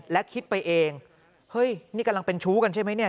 และคิดไปเองเฮ้ยนี่กำลังเป็นชู้กันใช่ไหมเนี่ย